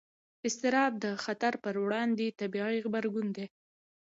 اضطراب د خطر پر وړاندې طبیعي غبرګون دی.